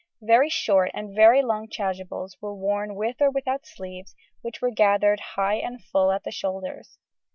Very short and very long "chasubles" were worn with or without sleeves which were gathered high and full at the shoulders.